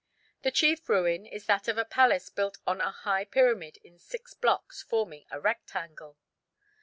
The chief ruin is that of a palace built on a high pyramid in six blocks, forming a rectangle.